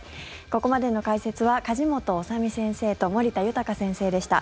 ここまでの解説は梶本修身先生と森田豊先生でした。